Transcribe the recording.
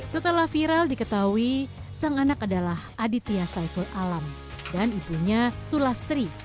setelah viral diketahui sang anak adalah aditya saiful alam dan ibunya sulastri